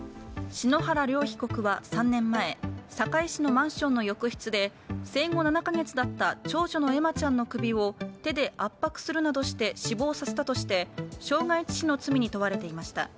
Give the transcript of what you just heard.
篠原遼被告は３年前、堺市のマンションの浴室で生後７か月だった長女の咲舞ちゃんの首を手で圧迫するなどして死亡させたとして、傷害致死の罪に問われていました。